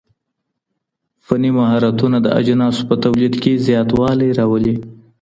فني مهارتونه د اجناسو په توليد کي زياتوالی راولي.